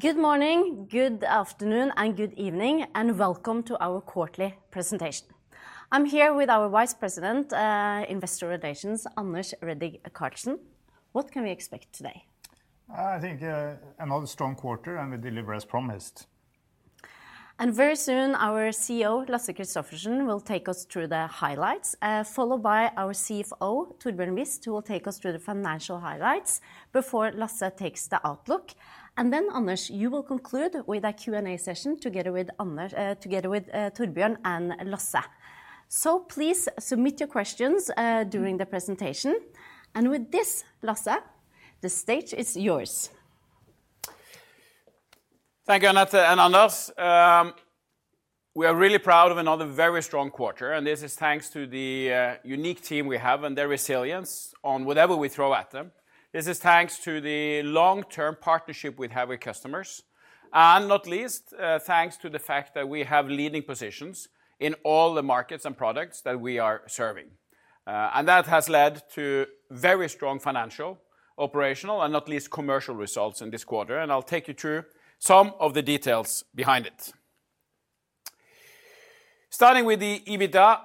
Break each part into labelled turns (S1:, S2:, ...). S1: Good morning, good afternoon, and good evening, and welcome to our quarterly presentation. I'm here with our Vice President, Investor Relations, Anders Redigh Karlsen. What can we expect today?
S2: I think another strong quarter, and we deliver as promised.
S1: Very soon, our CEO, Lasse Kristoffersen, will take us through the highlights, followed by our CFO, Torbjørn Wist, who will take us through the financial highlights before Lasse takes the outlook. Then, Anders, you will conclude with a Q&A session together with Torbjørn and Lasse. Please submit your questions during the presentation. With this, Lasse, the stage is yours.
S3: Thank you, Anette and Anders. We are really proud of another very strong quarter, and this is thanks to the unique team we have and their resilience on whatever we throw at them. This is thanks to the long-term partnership we have with customers, and not least, thanks to the fact that we have leading positions in all the markets and products that we are serving, and that has led to very strong financial, operational, and not least commercial results in this quarter, and I'll take you through some of the details behind it. Starting with the EBITDA,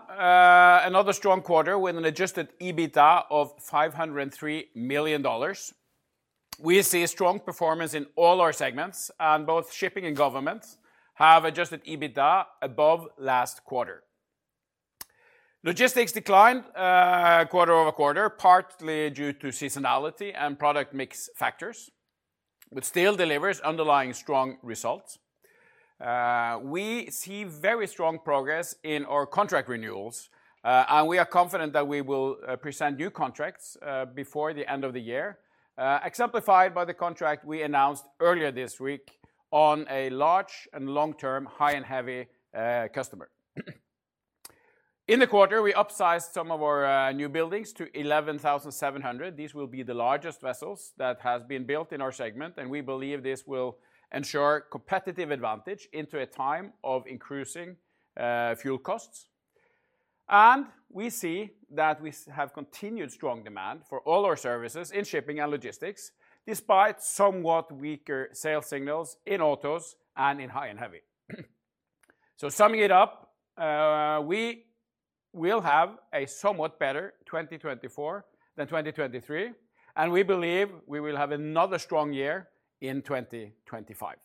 S3: another strong quarter with an adjusted EBITDA of $503 million. We see strong performance in all our segments, and both shipping and government have adjusted EBITDA above last quarter. Logistics declined quarter over quarter, partly due to seasonality and product mix factors, but still delivers underlying strong results. We see very strong progress in our contract renewals, and we are confident that we will present new contracts before the end of the year, exemplified by the contract we announced earlier this week on a large and long-term, High & Heavy customer. In the quarter, we upsized some of our new buildings to 11,700. These will be the largest vessels that have been built in our segment, and we believe this will ensure competitive advantage into a time of increasing fuel costs. And we see that we have continued strong demand for all our services in shipping and logistics, despite somewhat weaker sales signals in autos and in High & Heavy. So summing it up, we will have a somewhat better 2024 than 2023, and we believe we will have another strong year in 2025.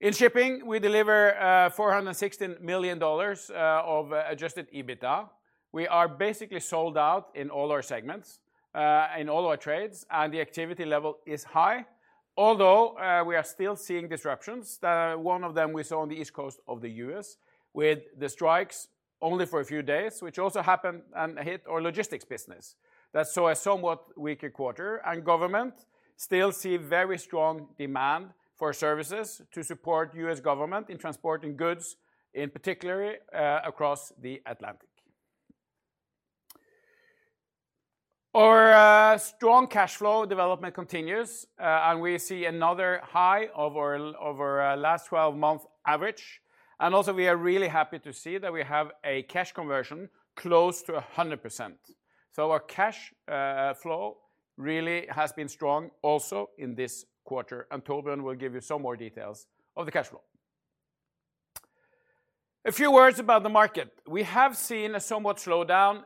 S3: In shipping, we deliver $416 million of Adjusted EBITDA. We are basically sold out in all our segments, in all our trades, and the activity level is high, although we are still seeing disruptions. One of them we saw on the East Coast of the U.S. with the strikes only for a few days, which also happened and hit our logistics business. That saw a somewhat weaker quarter, and Government still sees very strong demand for services to support U.S. government in transporting goods, in particular across the Atlantic. Our strong cash flow development continues, and we see another high of our last 12-month average, and also, we are really happy to see that we have a cash conversion close to 100%, so our cash flow really has been strong also in this quarter, and Torbjørn will give you some more details of the cash flow. A few words about the market. We have seen a somewhat slowdown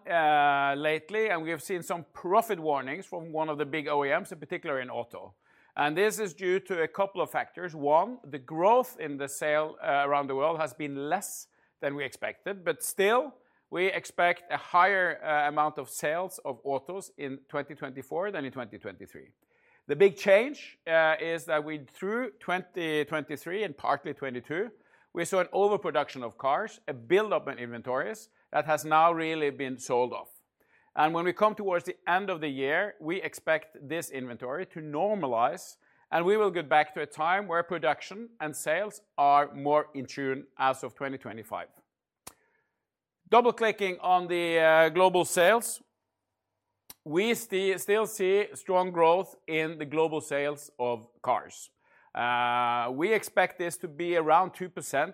S3: lately, and we have seen some profit warnings from one of the big OEMs, in particular in auto. And this is due to a couple of factors. One, the growth in the sale around the world has been less than we expected, but still, we expect a higher amount of sales of autos in 2024 than in 2023. The big change is that through 2023 and partly 2022, we saw an overproduction of cars, a buildup in inventories that has now really been sold off. And when we come towards the end of the year, we expect this inventory to normalize, and we will get back to a time where production and sales are more in tune as of 2025. Double-clicking on the global sales, we still see strong growth in the global sales of cars. We expect this to be around 2%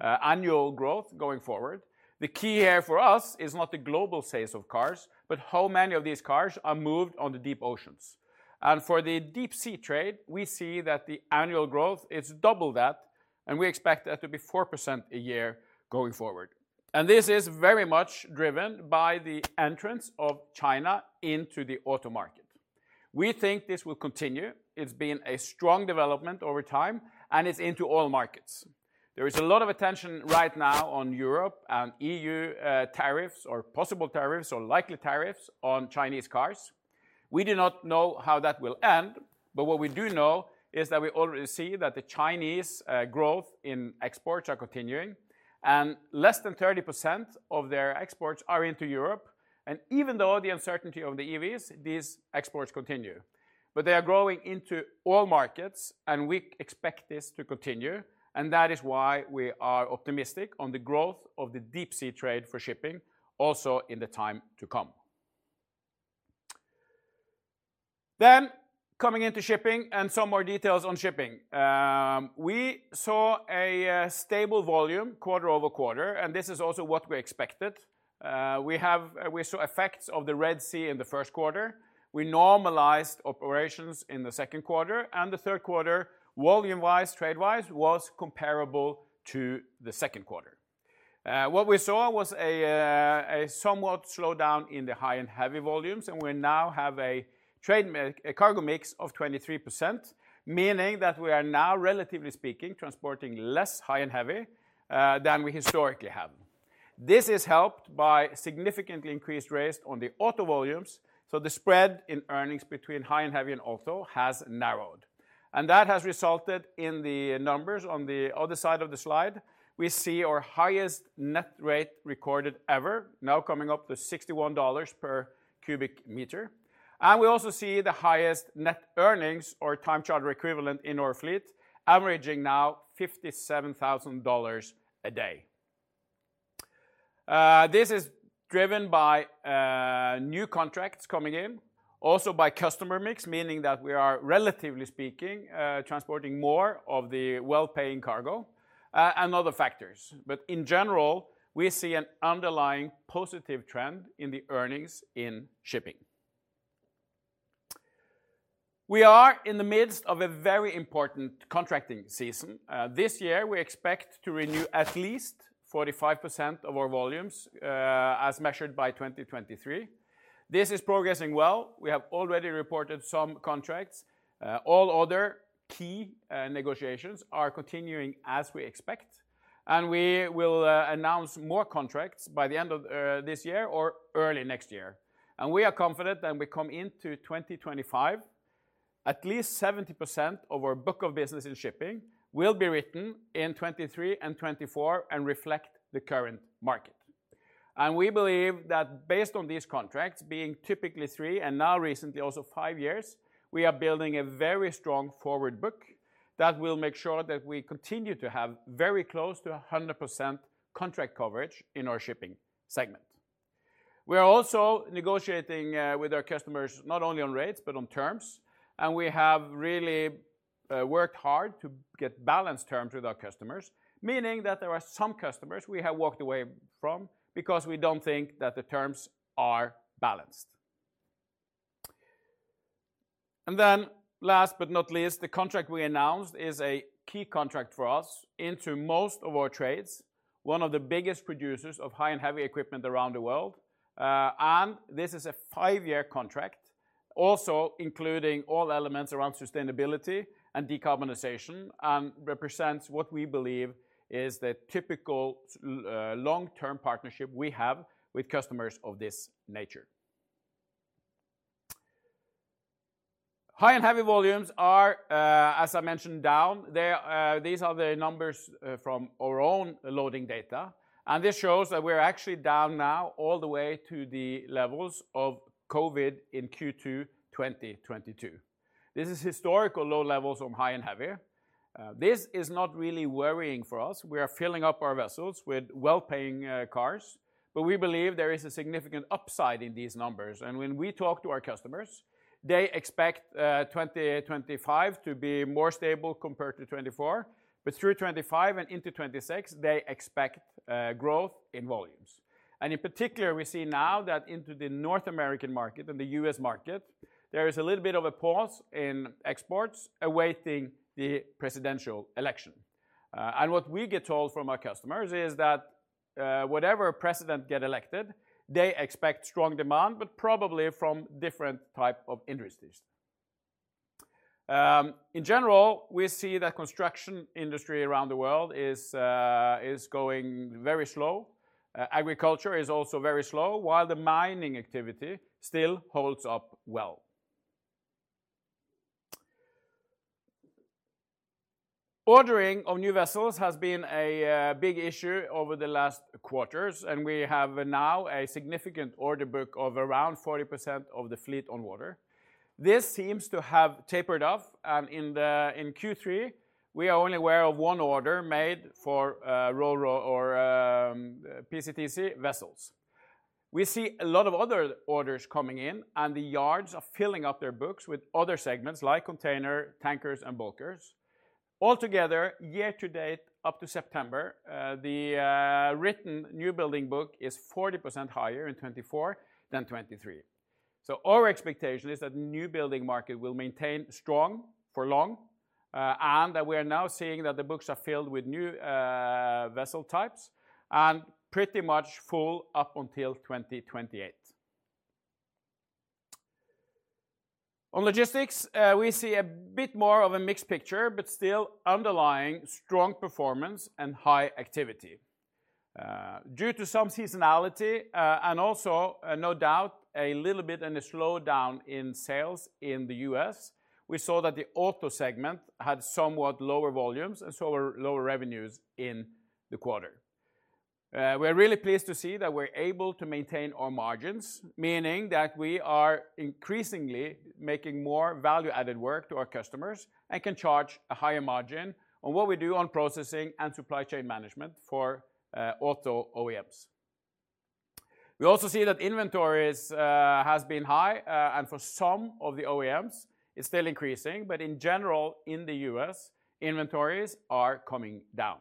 S3: annual growth going forward. The key here for us is not the global sales of cars, but how many of these cars are moved on the deep oceans. And for the deep-sea trade, we see that the annual growth is double that, and we expect that to be 4% a year going forward. And this is very much driven by the entrance of China into the auto market. We think this will continue. It's been a strong development over time, and it's into all markets. There is a lot of attention right now on Europe and EU tariffs or possible tariffs or likely tariffs on Chinese cars. We do not know how that will end, but what we do know is that we already see that the Chinese growth in exports are continuing, and less than 30% of their exports are into Europe. Even though the uncertainty of the EVs, these exports continue. They are growing into all markets, and we expect this to continue, and that is why we are optimistic on the growth of the deep-sea trade for shipping also in the time to come. Coming into shipping and some more details on shipping. We saw a stable volume quarter over quarter, and this is also what we expected. We saw effects of the Red Sea in the first quarter. We normalized operations in the second quarter, and the third quarter, volume-wise, trade-wise, was comparable to the second quarter. What we saw was a somewhat slowdown in the High & Heavy volumes, and we now have a cargo mix of 23%, meaning that we are now, relatively speaking, transporting less High & Heavy than we historically have. This is helped by significantly increased rates on the auto volumes, so the spread in earnings between High & Heavy and auto has narrowed, and that has resulted in the numbers on the other side of the slide. We see our highest net rate recorded ever, now coming up to $61 per cubic meter, and we also see the highest net earnings, or time charter equivalent, in our fleet, averaging now $57,000 a day. This is driven by new contracts coming in, also by customer mix, meaning that we are, relatively speaking, transporting more of the well-paying cargo and other factors, but in general, we see an underlying positive trend in the earnings in shipping. We are in the midst of a very important contracting season. This year, we expect to renew at least 45% of our volumes as measured by 2023. This is progressing well. We have already reported some contracts. All other key negotiations are continuing as we expect, and we will announce more contracts by the end of this year or early next year. And we are confident that when we come into 2025, at least 70% of our book of business in shipping will be written in 2023 and 2024 and reflect the current market. And we believe that based on these contracts, being typically three and now recently also five years, we are building a very strong forward book that will make sure that we continue to have very close to 100% contract coverage in our shipping segment. We are also negotiating with our customers not only on rates, but on terms, and we have really worked hard to get balanced terms with our customers, meaning that there are some customers we have walked away from because we don't think that the terms are balanced. Then, last but not least, the contract we announced is a key contract for us into most of our trades, one of the biggest producers ofHigh & Heavy equipment around the world. This is a five-year contract, also including all elements around sustainability and decarbonization, and represents what we believe is the typical long-term partnership we have with customers of this nature. High-and-heavy volumes are, as I mentioned, down. These are the numbers from our own loading data, and this shows that we are actually down now all the way to the levels of COVID in Q2 2022. This is historical low levels onHigh & Heavy. This is not really worrying for us. We are filling up our vessels with well-paying cars, but we believe there is a significant upside in these numbers. And when we talk to our customers, they expect 2025 to be more stable compared to 2024, but through 2025 and into 2026, they expect growth in volumes. And in particular, we see now that into the North American market and the U.S. market, there is a little bit of a pause in exports awaiting the presidential election. And what we get told from our customers is that whatever president gets elected, they expect strong demand, but probably from different types of industries. In general, we see that the construction industry around the world is going very slow. Agriculture is also very slow, while the mining activity still holds up well. Ordering of new vessels has been a big issue over the last quarters, and we have now a significant order book of around 40% of the fleet on water. This seems to have tapered off, and in Q3, we are only aware of one order made for PCTC vessels. We see a lot of other orders coming in, and the yards are filling up their books with other segments like containers, tankers, and bulkers. Altogether, year to date, up to September, the written newbuilding book is 40% higher in 2024 than 2023. So our expectation is that the newbuilding market will maintain strong for long, and that we are now seeing that the books are filled with new vessel types and pretty much full up until 2028. On logistics, we see a bit more of a mixed picture, but still underlying strong performance and high activity. Due to some seasonality and also no doubt a little bit of a slowdown in sales in the U.S., we saw that the auto segment had somewhat lower volumes and somewhat lower revenues in the quarter. We are really pleased to see that we're able to maintain our margins, meaning that we are increasingly making more value-added work to our customers and can charge a higher margin on what we do on processing and supply chain management for auto OEMs. We also see that inventories have been high, and for some of the OEMs, it's still increasing, but in general, in the U.S., inventories are coming down.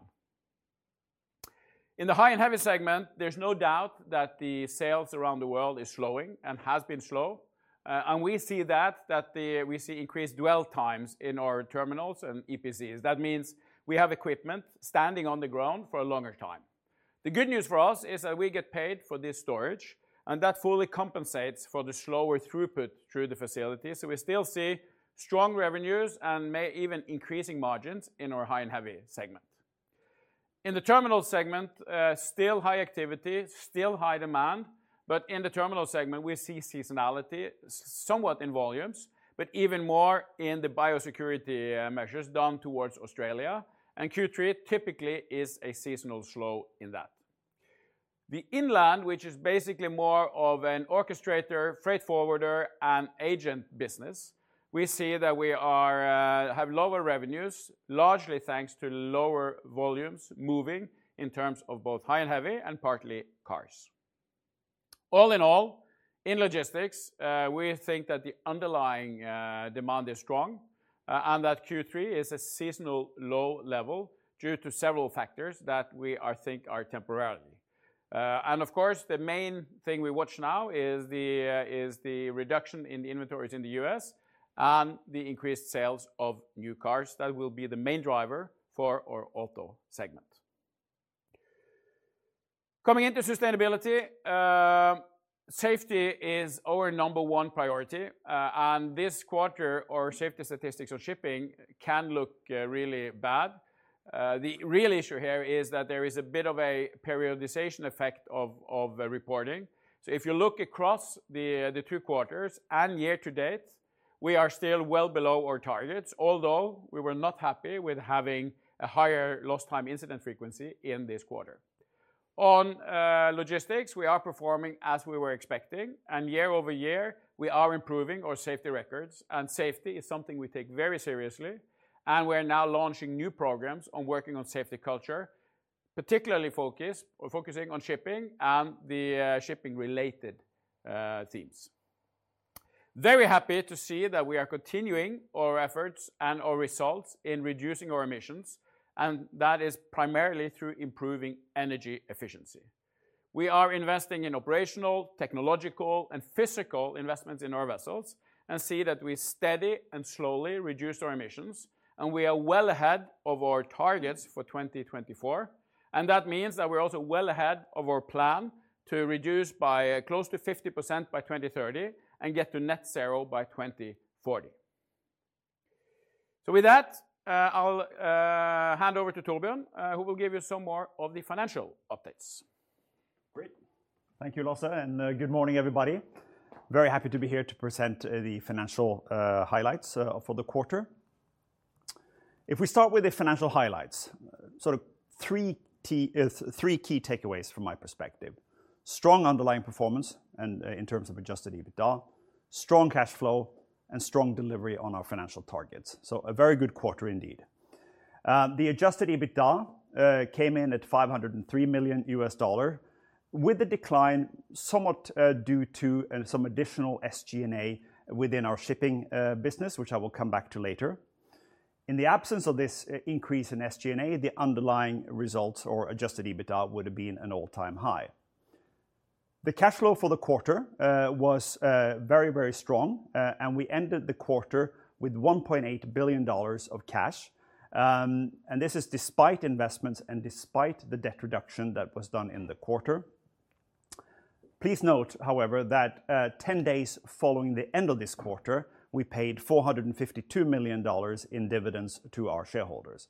S3: In the High & Heavy segment, there's no doubt that the sales around the world are slowing and have been slow, and we see increased dwell times in our terminals and EPCs. That means we have equipment standing on the ground for a longer time. The good news for us is that we get paid for this storage, and that fully compensates for the slower throughput through the facilities, so we still see strong revenues and may even increasing margins in our High & Heavy segment. In the terminal segment, still high activity, still high demand, but in the terminal segment, we see seasonality somewhat in volumes, but even more in the biosecurity measures done towards Australia, and Q3 typically is a seasonal slow in that. The inland, which is basically more of an orchestrator, freight forwarder, and agent business, we see that we have lower revenues, largely thanks to lower volumes moving in terms of both High & heavy and partly cars. All in all, in logistics, we think that the underlying demand is strong and that Q3 is a seasonal low level due to several factors that we think are temporary. And of course, the main thing we watch now is the reduction in inventories in the U.S. and the increased sales of new cars that will be the main driver for our auto segment. Coming into sustainability, safety is our number one priority, and this quarter, our safety statistics on shipping can look really bad. The real issue here is that there is a bit of a periodization effect of reporting. So if you look across the two quarters and year to date, we are still well below our targets, although we were not happy with having a higher lost-time incident frequency in this quarter. On logistics, we are performing as we were expecting, and year over year, we are improving our safety records, and safety is something we take very seriously, and we're now launching new programs on working on safety culture, particularly focusing on shipping and the shipping-related themes. Very happy to see that we are continuing our efforts and our results in reducing our emissions, and that is primarily through improving energy efficiency. We are investing in operational, technological, and physical investments in our vessels and see that we steady and slowly reduce our emissions, and we are well ahead of our targets for 2024, and that means that we're also well ahead of our plan to reduce by close to 50% by 2030 and get to net zero by 2040. With that, I'll hand over to Torbjørn, who will give you some more of the financial updates.
S4: Great. Thank you, Lasse, and good morning, everybody. Very happy to be here to present the financial highlights for the quarter. If we start with the financial highlights, sort of three key takeaways from my perspective: strong underlying performance in terms of Adjusted EBITDA, strong cash flow, and strong delivery on our financial targets, so a very good quarter indeed. The Adjusted EBITDA came in at $503 million US dollar, with a decline somewhat due to some additional SG&A within our shipping business, which I will come back to later. In the absence of this increase in SG&A, the underlying results or Adjusted EBITDA would have been an all-time high. The cash flow for the quarter was very, very strong, and we ended the quarter with $1.8 billion of cash, and this is despite investments and despite the debt reduction that was done in the quarter. Please note, however, that 10 days following the end of this quarter, we paid $452 million in dividends to our shareholders.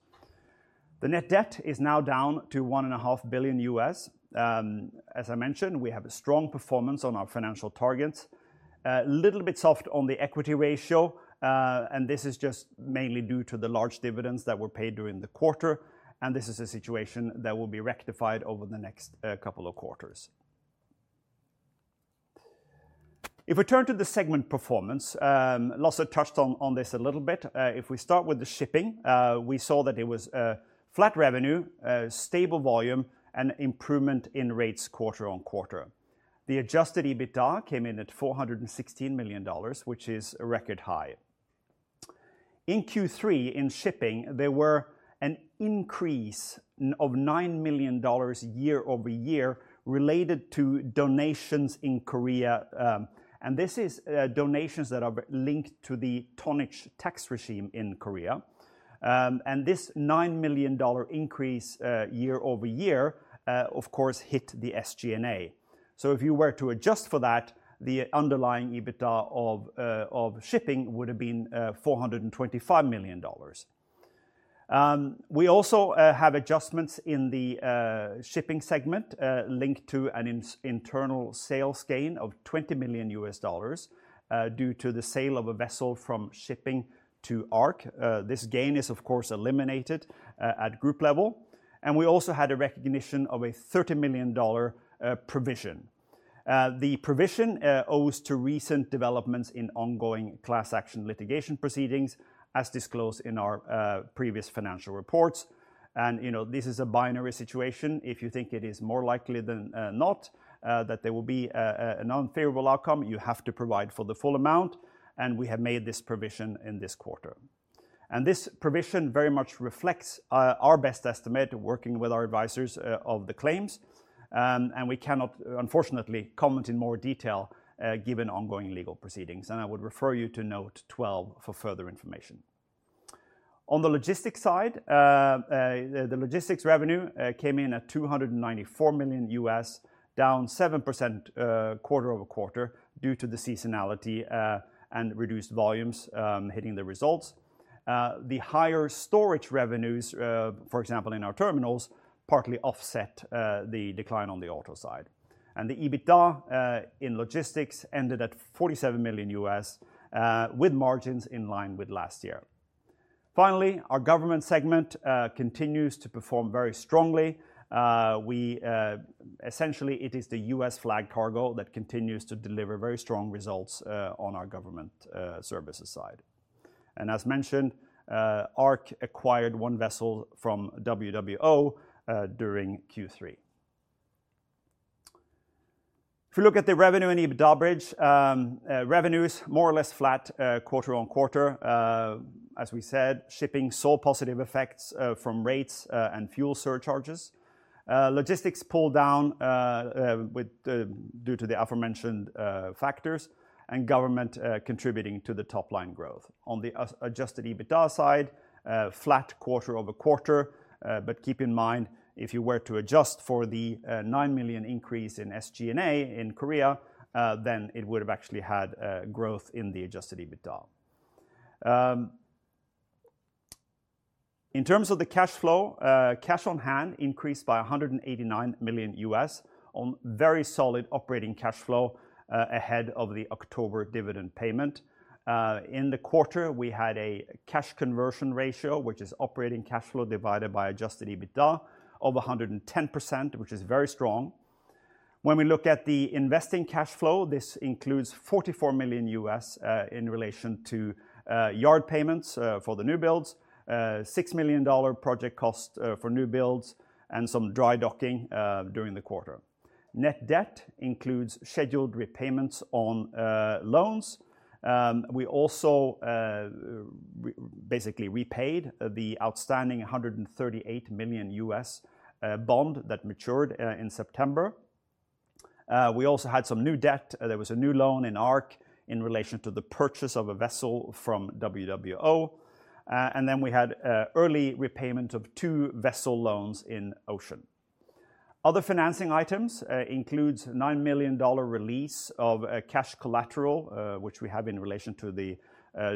S4: The net debt is now down to $1.5 billion. As I mentioned, we have a strong performance on our financial targets, a little bit soft on the equity ratio, and this is just mainly due to the large dividends that were paid during the quarter, and this is a situation that will be rectified over the next couple of quarters. If we turn to the segment performance, Lasse touched on this a little bit. If we start with the shipping, we saw that it was flat revenue, stable volume, and improvement in rates quarter on quarter. The Adjusted EBITDA came in at $416 million, which is a record high. In Q3, in shipping, there was an increase of $9 million year over year related to donations in Korea, and this is donations that are linked to the tonnage tax regime in Korea, and this $9 million increase year over year, of course, hit the SG&A, so if you were to adjust for that, the underlying EBITDA of shipping would have been $425 million. We also have adjustments in the shipping segment linked to an internal sales gain of $20 million US dollars due to the sale of a vessel from shipping to ARC. This gain is, of course, eliminated at group level, and we also had a recognition of a $30 million provision. The provision owes to recent developments in ongoing class action litigation proceedings, as disclosed in our previous financial reports, and this is a binary situation. If you think it is more likely than not that there will be an unfavorable outcome, you have to provide for the full amount, and we have made this provision in this quarter, and this provision very much reflects our best estimate working with our advisors of the claims, and we cannot, unfortunately, comment in more detail given ongoing legal proceedings, and I would refer you to Note 12 for further information. On the logistics side, the logistics revenue came in at $294 million, down 7% quarter over quarter due to the seasonality and reduced volumes hitting the results. The higher storage revenues, for example, in our terminals, partly offset the decline on the auto side, and the EBITDA in logistics ended at $47 million, with margins in line with last year. Finally, our government segment continues to perform very strongly. Essentially, it is the U.S. flag cargo that continues to deliver very strong results on our government services side. And as mentioned, ARC acquired one vessel from WWO during Q3. If we look at the revenue and EBITDA bridge, revenues more or less flat quarter on quarter. As we said, shipping saw positive effects from rates and fuel surcharges. Logistics pulled down due to the aforementioned factors and government contributing to the top line growth. On the adjusted EBITDA side, flat quarter over quarter, but keep in mind, if you were to adjust for the $9 million increase in SG&A in Korea, then it would have actually had growth in the adjusted EBITDA. In terms of the cash flow, cash on hand increased by $189 million on very solid operating cash flow ahead of the October dividend payment. In the quarter, we had a cash conversion ratio, which is operating cash flow divided by adjusted EBITDA, of 110%, which is very strong. When we look at the investing cash flow, this includes $44 million in relation to yard payments for the new builds, $6 million project costs for new builds, and some dry docking during the quarter. Net debt includes scheduled repayments on loans. We also basically repaid the outstanding $138 million bond that matured in September. We also had some new debt. There was a new loan in ARC in relation to the purchase of a vessel from WWO, and then we had early repayment of two vessel loans in Ocean. Other financing items include a $9 million release of cash collateral, which we have in relation to the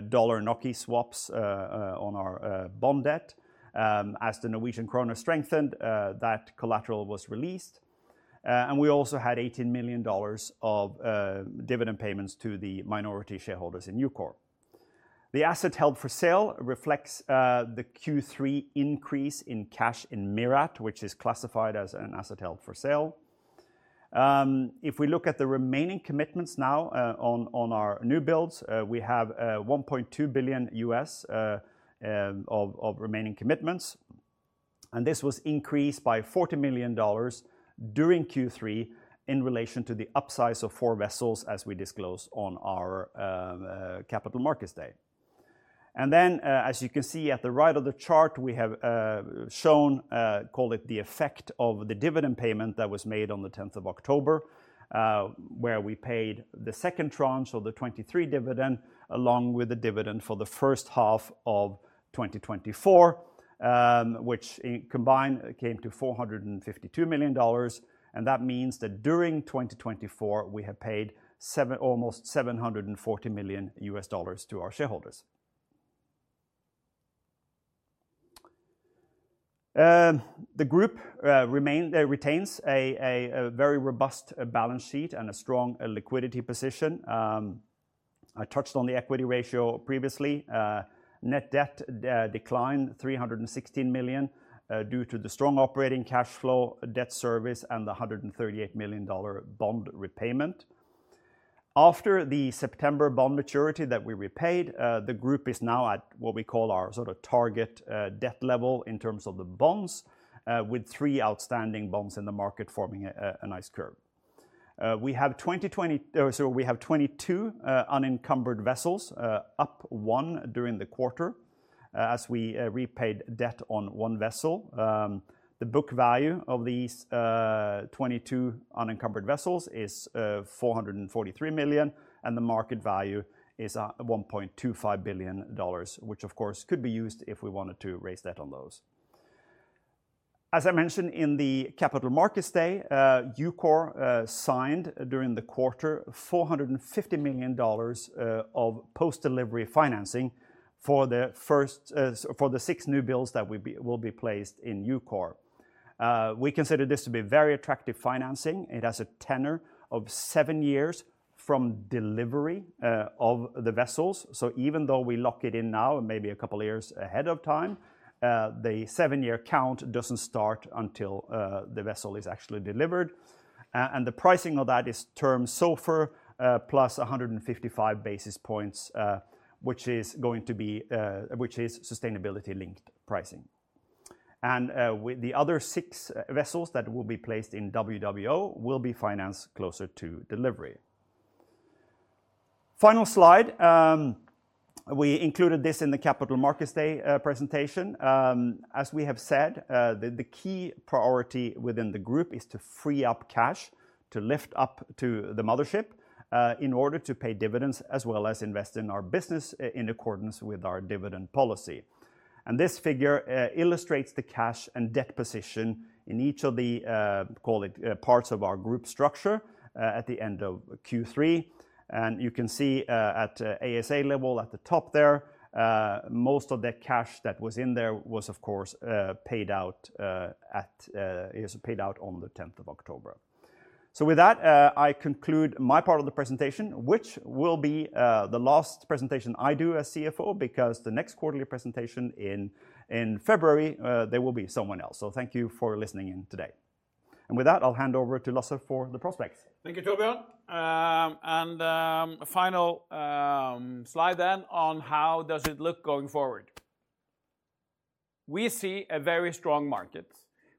S4: dollar-NOK swaps on our bond debt. As the Norwegian Krone strengthened, that collateral was released, and we also had $18 million of dividend payments to the minority shareholders in EUKOR. The asset held for sale reflects the Q3 increase in cash in MIRRAT, which is classified as an asset held for sale. If we look at the remaining commitments now on our new builds, we have $1.2 billion of remaining commitments, and this was increased by $40 million during Q3 in relation to the upsize of four vessels, as we disclosed on our capital markets day. And then, as you can see at the right of the chart, we have shown, called it the effect of the dividend payment that was made on the 10th of October, where we paid the second tranche of the 2023 dividend along with the dividend for the first half of 2024, which combined came to $452 million, and that means that during 2024, we have paid almost $740 million to our shareholders. The group retains a very robust balance sheet and a strong liquidity position. I touched on the equity ratio previously. Net debt declined $316 million due to the strong operating cash flow, debt service, and the $138 million bond repayment. After the September bond maturity that we repaid, the group is now at what we call our sort of target debt level in terms of the bonds, with three outstanding bonds in the market forming a nice curve. We have 22 unencumbered vessels, up one during the quarter as we repaid debt on one vessel. The book value of these 22 unencumbered vessels is $443 million, and the market value is $1.25 billion, which, of course, could be used if we wanted to raise debt on those. As I mentioned in the capital markets day, EUKOR signed during the quarter $450 million of post-delivery financing for the six new builds that will be placed in EUKOR. We consider this to be very attractive financing. It has a tenor of seven years from delivery of the vessels, so even though we lock it in now and maybe a couple of years ahead of time, the seven-year count doesn't start until the vessel is actually delivered, and the pricing of that is Term SOFR plus 155 basis points, which is sustainability-linked pricing. And the other six vessels that will be placed in WWO will be financed closer to delivery. Final slide. We included this in the capital markets day presentation. As we have said, the key priority within the group is to free up cash to lift up to the mothership in order to pay dividends as well as invest in our business in accordance with our dividend policy. And this figure illustrates the cash and debt position in each of the parts of our group structure at the end of Q3. You can see at ASA level at the top there, most of that cash that was in there was, of course, paid out on the 10th of October. With that, I conclude my part of the presentation, which will be the last presentation I do as CFO because the next quarterly presentation in February, there will be someone else. Thank you for listening in today. With that, I'll hand over to Lasse for the prospects.
S3: Thank you, Torbjørn. Final slide then on how does it look going forward. We see a very strong market.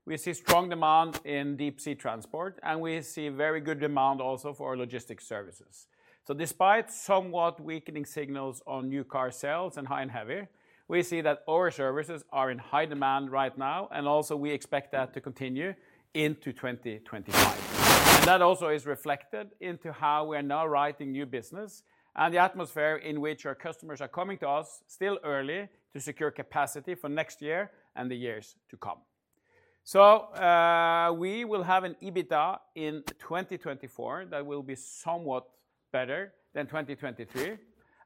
S3: We see strong demand in deep sea transport, and we see very good demand also for logistics services. Despite somewhat weakening signals on new car sales and high and heavy, we see that our services are in high demand right now, and also we expect that to continue into 2025. And that also is reflected into how we are now writing new business and the atmosphere in which our customers are coming to us still early to secure capacity for next year and the years to come. So we will have an EBITDA in 2024 that will be somewhat better than 2023,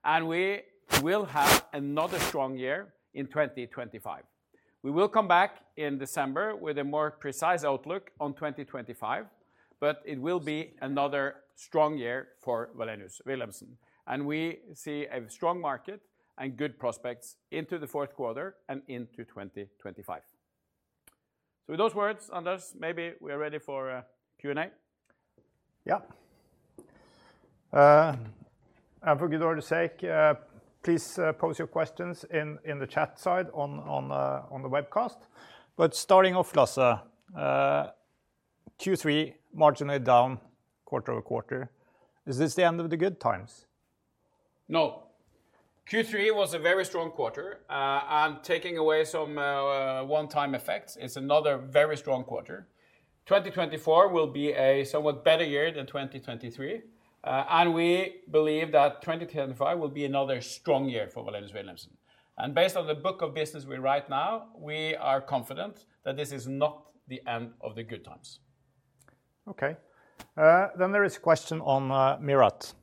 S3: and we will have another strong year in 2025. We will come back in December with a more precise outlook on 2025, but it will be another strong year for Wallenius Wilhelmsen, and we see a strong market and good prospects into the fourth quarter and into 2025. So with those words, Anders, maybe we are ready for a Q&A.
S2: Yeah, and for good order's sake, please post your questions in the chat side on the webcast, but starting off, Lasse, Q3 marginally down quarter over quarter. Is this the end of the good times?
S3: No, Q3 was a very strong quarter, and taking away some one-time effects, it's another very strong quarter. 2024 will be a somewhat better year than 2023, and we believe that 2025 will be another strong year for Wallenius Wilhelmsen. And based on the book of business we write now, we are confident that this is not the end of the good times.
S2: Okay. Then there is a question on MIRRAT.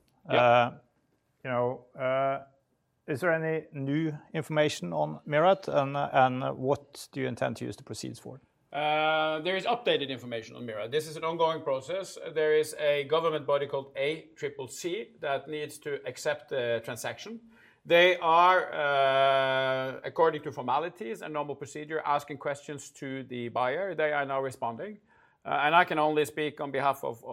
S2: Is there any new information on MIRRAT, and what do you intend to use the proceeds for?
S3: There is updated information on MIRRAT. This is an ongoing process. There is a government body called ACCC that needs to accept the transaction. They are, according to formalities and normal procedure, asking questions to the buyer. They are now responding, and I can only speak on behalf of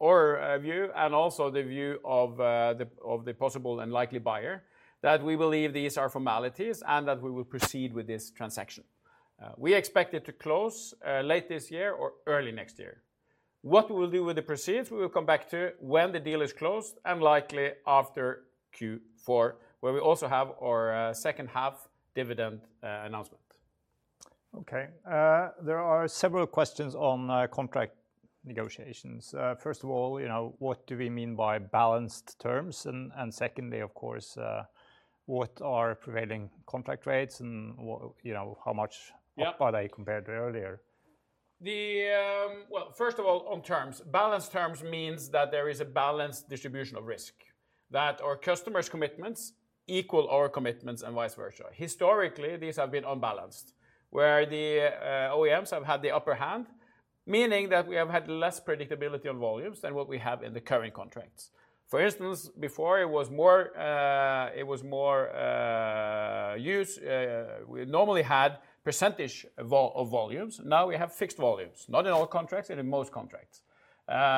S3: our view and also the view of the possible and likely buyer that we believe these are formalities and that we will proceed with this transaction. We expect it to close late this year or early next year. What we will do with the proceeds, we will come back to when the deal is closed and likely after Q4, where we also have our second half dividend announcement.
S2: Okay. There are several questions on contract negotiations. First of all, what do we mean by balanced terms? And secondly, of course, what are prevailing contract rates and how much are they compared to earlier?
S3: First of all, on terms. Balanced terms means that there is a balanced distribution of risk, that our customers' commitments equal our commitments and vice versa. Historically, these have been unbalanced, where the OEMs have had the upper hand, meaning that we have had less predictability on volumes than what we have in the current contracts. For instance, before it was more use, we normally had percentage of volumes. Now we have fixed volumes, not in all contracts, in most contracts.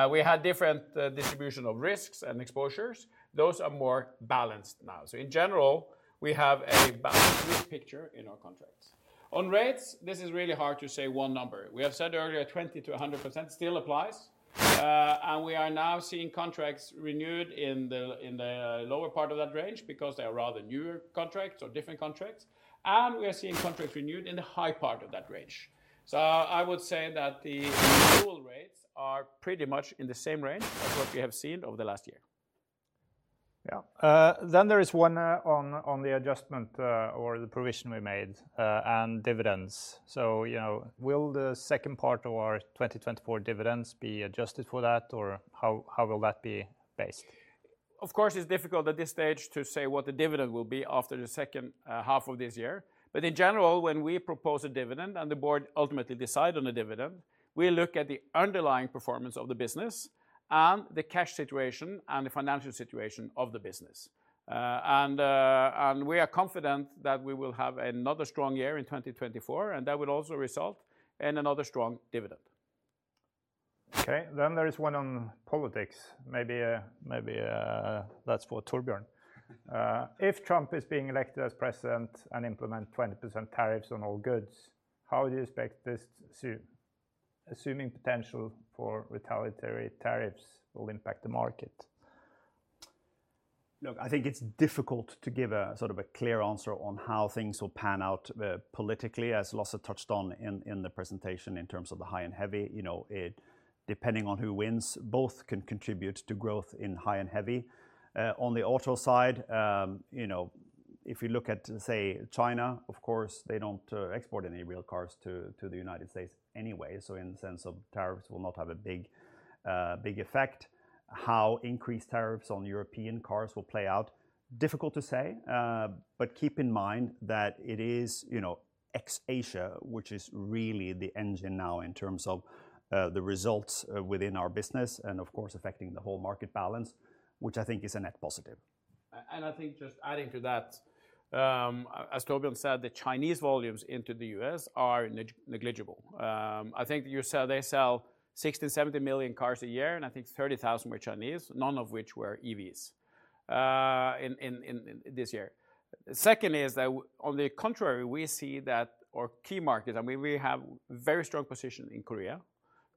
S3: We had different distribution of risks and exposures. Those are more balanced now. So in general, we have a balanced risk picture in our contracts. On rates, this is really hard to say one number. We have said earlier 20%-100% still applies, and we are now seeing contracts renewed in the lower part of that range because they are rather newer contracts or different contracts, and we are seeing contracts renewed in the high part of that range. So I would say that the actual rates are pretty much in the same range as what we have seen over the last year. Yeah, then there is one on the adjustment or the provision we made and dividends, so will the second part of our 2024 dividends be adjusted for that, or how will that be based?
S2: Of course, it's difficult at this stage to say what the dividend will be after the second half of this year, but in general, when we propose a dividend and the board ultimately decides on a dividend, we look at the underlying performance of the business and the cash situation and the financial situation of the business. And we are confident that we will have another strong year in 2024, and that will also result in another strong dividend.
S3: Okay. Then there is one on politics. Maybe that's for Torbjørn. If Trump is being elected as president and implements 20% tariffs on all goods, how do you expect this assuming potential for retaliatory tariffs will impact the market?
S4: Look, I think it's difficult to give a sort of a clear answer on how things will pan out politically, as Lasse touched on in the presentation in terms of the high and heavy. Depending on who wins, both can contribute to growth in high and heavy. On the auto side, if you look at, say, China, of course, they don't export any real cars to the United States anyway, so in the sense of tariffs will not have a big effect. How increased tariffs on European cars will play out, difficult to say, but keep in mind that it is ex-Asia, which is really the engine now in terms of the results within our business and, of course, affecting the whole market balance, which I think is a net positive,
S2: and I think just adding to that, as Torbjørn said, the Chinese volumes into the US are negligible. I think they sell 60 to 70 million cars a year, and I think 30,000 were Chinese, none of which were EVs this year. Second is that, on the contrary, we see that our key market, I mean, we have a very strong position in Korea.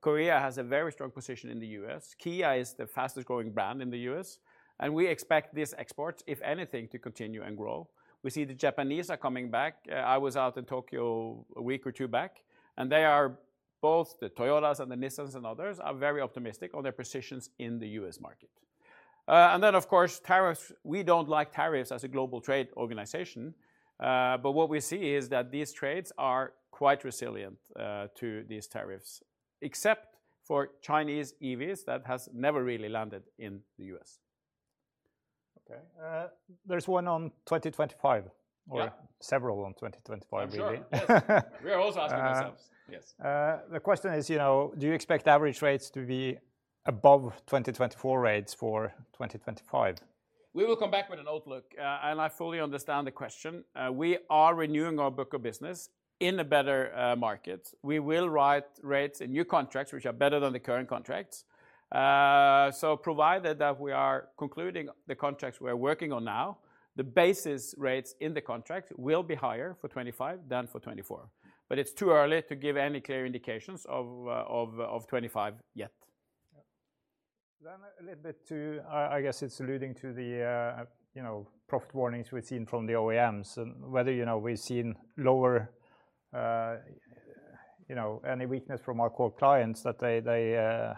S2: Korea has a very strong position in the U.S. Kia is the fastest growing brand in the U.S., and we expect these exports, if anything, to continue and grow. We see the Japanese are coming back. I was out in Tokyo a week or two back, and they are both the Toyotas and the Nissans and others are very optimistic on their positions in the U.S. market, and then, of course, tariffs. We don't like tariffs as a global trade organization, but what we see is that these trades are quite resilient to these tariffs, except for Chinese EVs that have never really landed in the U.S.
S3: Okay. There's one on 2025 or several on 2025, really.
S2: We are also asking ourselves, yes.
S3: The question is, do you expect average rates to be above 2024 rates for 2025?
S2: We will come back with an outlook, and I fully understand the question. We are renewing our book of business in a better market. We will write rates in new contracts which are better than the current contracts. So provided that we are concluding the contracts we are working on now, the basis rates in the contracts will be higher for 2025 than for 2024, but it's too early to give any clear indications of 2025 yet.
S3: Then a little bit too, I guess it's alluding to the profit warnings we've seen from the OEMs and whether we've seen any weakness from our core clients that they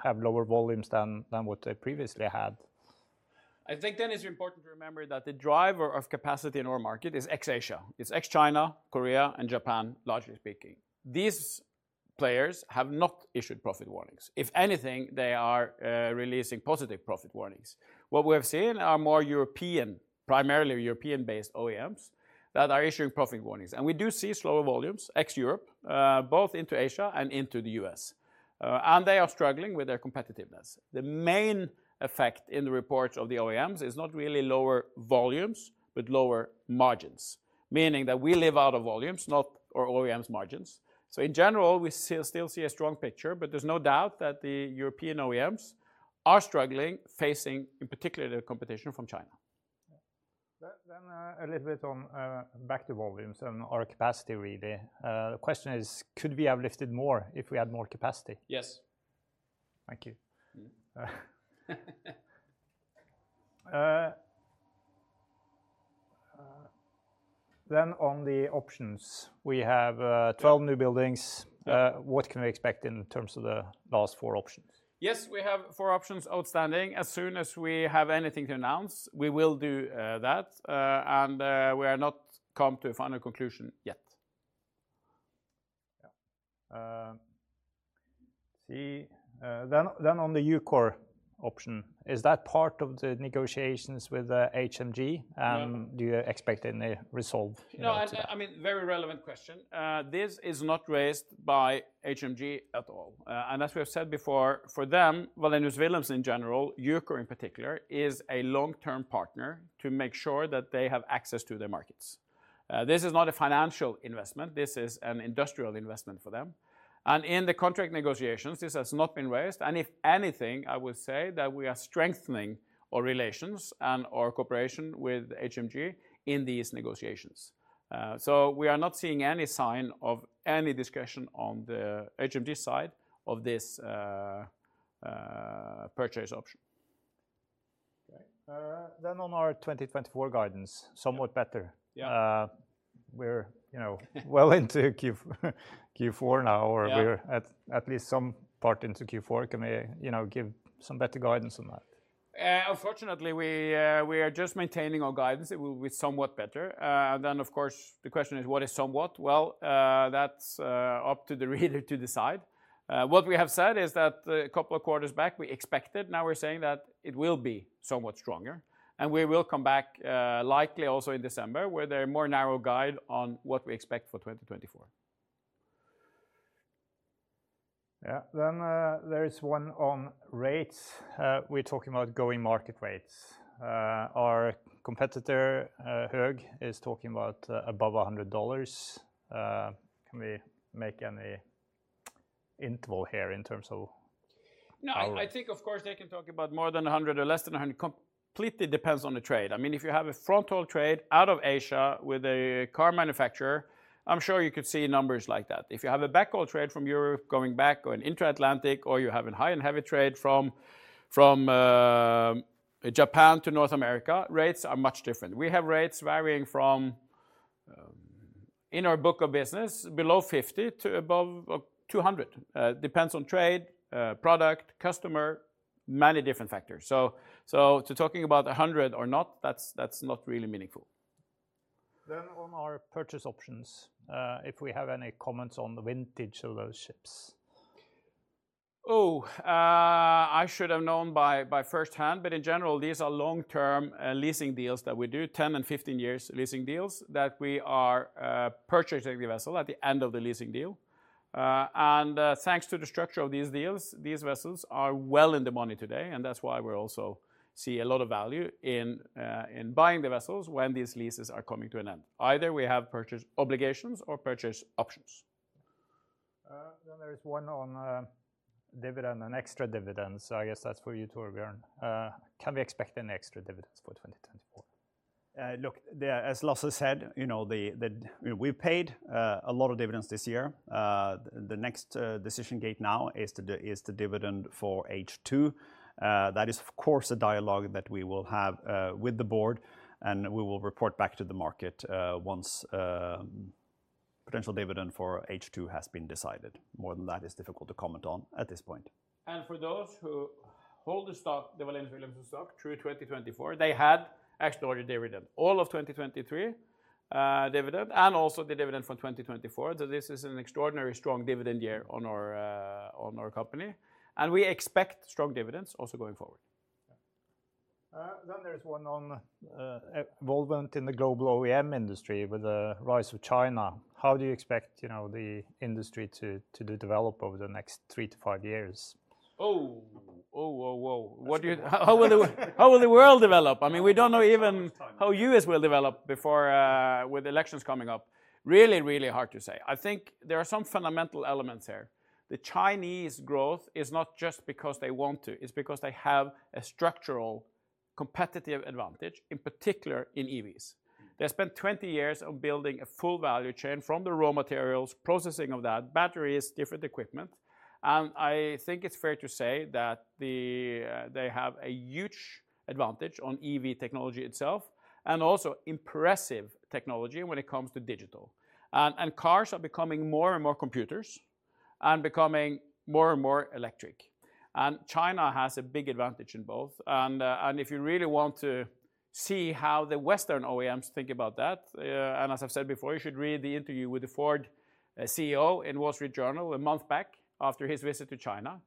S3: have lower volumes than what they previously had.
S2: I think then it's important to remember that the driver of capacity in our market is ex-Asia. It's ex-China, Korea, and Japan, largely speaking. These players have not issued profit warnings. If anything, they are releasing positive profit warnings. What we have seen are more European, primarily European-based OEMs that are issuing profit warnings, and we do see slower volumes ex-Europe, both into Asia and into the US, and they are struggling with their competitiveness. The main effect in the reports of the OEMs is not really lower volumes, but lower margins, meaning that we live out of volumes, not our OEMs' margins, so in general, we still see a strong picture, but there's no doubt that the European OEMs are struggling facing, in particular, the competition from China.
S3: Then a little bit on back to volumes and our capacity, really. The question is, could we have lifted more if we had more capacity?
S2: Yes.
S3: Thank you. Then on the options, we have 12 newbuildings. What can we expect in terms of the last four options?
S2: Yes, we have four options outstanding. As soon as we have anything to announce, we will do that, and we have not come to a final conclusion yet.
S3: Yeah. Then on the EUKOR option, is that part of the negotiations with HMG, and do you expect any resolve?
S2: No, I mean, very relevant question. This is not raised by HMG at all, and as we have said before, for them, Wallenius Wilhelmsen in general, EUKOR in particular, is a long-term partner to make sure that they have access to their markets. This is not a financial investment. This is an industrial investment for them, and in the contract negotiations, this has not been raised, and if anything, I would say that we are strengthening our relations and our cooperation with HMG in these negotiations, so we are not seeing any sign of any discussion on the HMG side of this purchase option.
S3: Okay. Then on our 2024 guidance, somewhat better. We're well into Q4 now, or we're at least some part into Q4. Can we give some better guidance on that?
S2: Unfortunately, we are just maintaining our guidance. It will be somewhat better then, of course, the question is, what is somewhat, well, that's up to the reader to decide. What we have said is that a couple of quarters back, we expected. Now we're saying that it will be somewhat stronger, and we will come back likely also in December with a more narrow guide on what we expect for 2024.
S3: Yeah. Then there is one on rates. We're talking about going market rates. Our competitor, Höegh, is talking about above $100. Can we make any interval here in terms of?
S2: No, I think, of course, they can talk about more than 100 or less than 100. Completely depends on the trade. I mean, if you have a front-haul trade out of Asia with a car manufacturer, I'm sure you could see numbers like that. If you have a back-haul trade from Europe going back or an inter-Atlantic, or you have a high and heavy trade from Japan to North America, rates are much different. We have rates varying from, in our book of business, below 50 to above 200. Depends on trade, product, customer, many different factors. So to talking about 100 or not, that's not really meaningful.
S3: Then on our purchase options, if we have any comments on the vintage of those ships?
S2: Oh, I should have known firsthand, but in general, these are long-term leasing deals that we do, 10- and 15-year leasing deals that we are purchasing the vessel at the end of the leasing deal. Thanks to the structure of these deals, these vessels are well in the money today, and that's why we also see a lot of value in buying the vessels when these leases are coming to an end. Either we have purchase obligations or purchase options.
S3: Then there is one on dividend and extra dividends. I guess that's for you, Torbjørn. Can we expect any extra dividends for 2024?
S4: Look, as Lasse said, we've paid a lot of dividends this year. The next decision gate now is the dividend for H2. That is, of course, a dialogue that we will have with the board, and we will report back to the market once potential dividend for H2 has been decided. More than that is difficult to comment on at this point,
S2: and for those who hold the stock, the Wallenius Wilhelmsen stock through 2024, they had extraordinary dividend, all of 2023 dividend, and also the dividend from 2024, so this is an extraordinarily strong dividend year on our company, and we expect strong dividends also going forward.
S3: Then there's one on development in the global OEM industry with the rise of China. How do you expect the industry to develop over the next three to five years?
S2: Oh, oh, oh, whoa. How will the world develop? I mean, we don't know even how the U.S. will develop before with elections coming up. Really, really hard to say. I think there are some fundamental elements here. The Chinese growth is not just because they want to. It's because they have a structural competitive advantage, in particular in EVs. They spent 20 years on building a full value chain from the raw materials, processing of that, batteries, different equipment, and I think it's fair to say that they have a huge advantage on EV technology itself and also impressive technology when it comes to digital, and cars are becoming more and more computers and becoming more and more electric, and China has a big advantage in both. And if you really want to see how the Western OEMs think about that, and as I've said before, you should read the interview with the Ford CEO in Wall Street Journal a month back after his visit to China.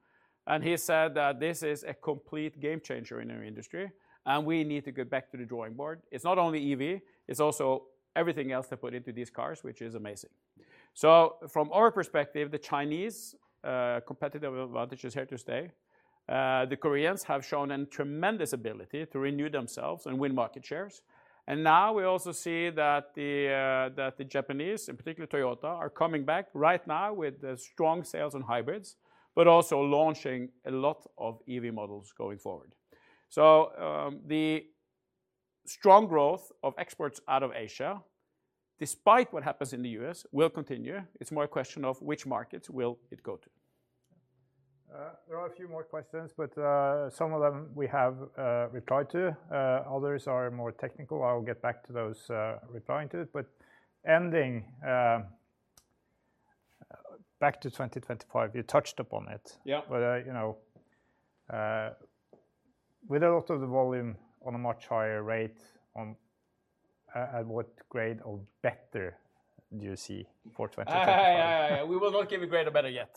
S2: And he said that this is a complete game changer in our industry, and we need to get back to the drawing board. It's not only EV, it's also everything else they put into these cars, which is amazing. So from our perspective, the Chinese competitive advantage is here to stay. The Koreans have shown a tremendous ability to renew themselves and win market shares. And now we also see that the Japanese, in particular Toyota, are coming back right now with strong sales on hybrids, but also launching a lot of EV models going forward. So the strong growth of exports out of Asia, despite what happens in the U.S., will continue. It's more a question of which markets will it go to.
S3: There are a few more questions, but some of them we have replied to. Others are more technical. I'll get back to those replying to it. But ending back to 2025, you touched upon it.
S2: Yeah.
S3: But with a lot of the volume on a much higher rate, at what rate or better do you see for 2025?
S2: Yeah, yeah, yeah. We will not give a grade of better yet.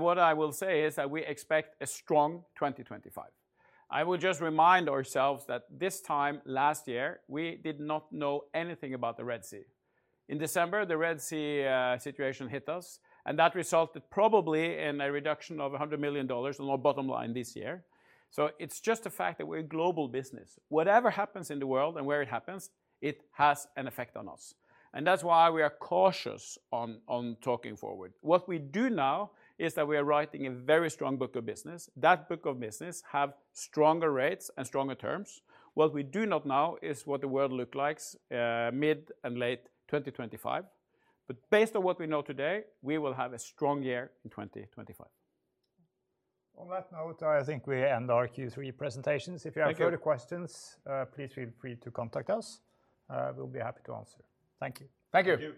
S2: What I will say is that we expect a strong 2025. I will just remind ourselves that this time last year, we did not know anything about the Red Sea. In December, the Red Sea situation hit us, and that resulted probably in a reduction of $100 million on our bottom line this year. So it's just a fact that we're a global business. Whatever happens in the world and where it happens, it has an effect on us, and that's why we are cautious on talking forward. What we do now is that we are writing a very strong book of business. That book of business has stronger rates and stronger terms. What we do not know is what the world looks like mid and late 2025. But based on what we know today, we will have a strong year in 2025.
S3: On that note, I think we end our Q3 presentations. If you have further questions, please feel free to contact us. We'll be happy to answer. Thank you.
S2: Thank you.